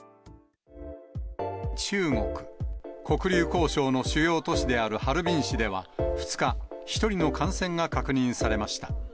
中国・黒竜江省の主要都市であるハルビン市では、２日、１人の感染が確認されました。